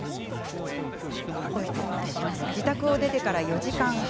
自宅を出てから４時間半。